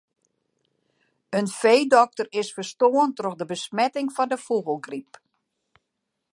In feedokter is ferstoarn troch besmetting mei de fûgelgryp.